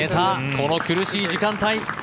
この苦しい時間帯。